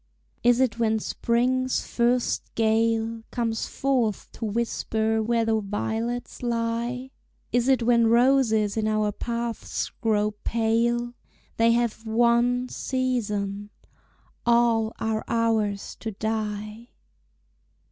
Is it when Spring's first gale Comes forth to whisper where the violets lie? Is it when roses in our paths grow pale? They have one season all are ours to die!